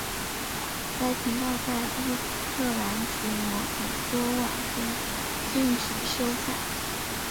该频道在乌克兰及摩尔多瓦被禁止收看。